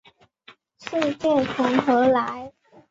世界从何来？